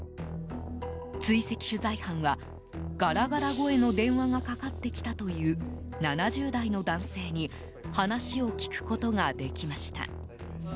追跡取材班は、ガラガラ声の電話がかかってきたという７０代の男性に話を聞くことができました。